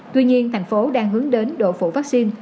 tuy nhiên tp hcm đang hướng đến độ phụ vaccine